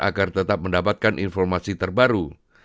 agar tetap mendapatkan informasi terbaru